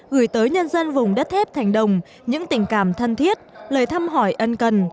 gửi tới nhân dân vùng đất thép thành đồng những tình cảm thân thiết lời thăm hỏi ân cần